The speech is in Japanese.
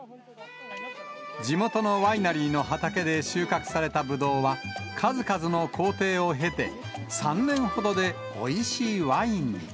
地元のワイナリーの畑で収穫されたブドウは、数々の工程を経て、３年ほどでおいしいワインに。